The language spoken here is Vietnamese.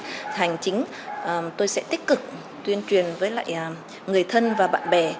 sau dịch hành chính tôi sẽ tích cực tuyên truyền với lại người thân và bạn bè